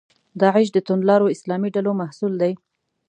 داعش د توندلارو اسلامي ډلو محصول دی.